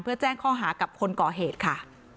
เพื่อแจ้งข้อหากับคนก่อเหตุค่ะ